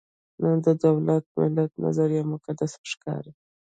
نن د دولت–ملت نظریه مقدس ښکاري.